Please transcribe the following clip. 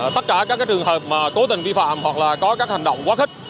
tất cả các trường hợp mà cố tình vi phạm hoặc là có các hành động quá khích